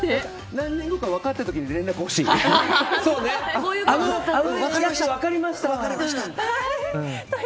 何年後か分かった時に連絡ほしい。